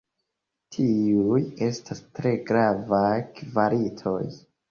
Tiuj estas tre gravaj kvalitoj.